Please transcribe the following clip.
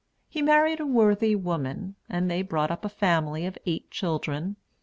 He married a worthy woman, and they brought up a family of eight children.